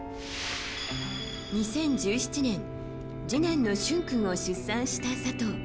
２０１７年次男の旬君を出産した佐藤。